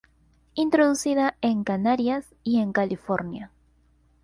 Introducida en Canarias y en California.